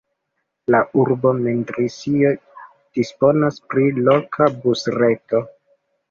La urbo Mendrisio disponas pri loka busreto.